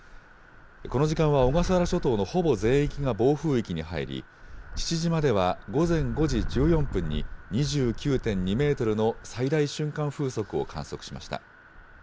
この時間は小笠原諸島のほぼ全域が暴風域に入り、父島では午前５時１４分に、２９．２メートルの最大瞬間風速を観測しました。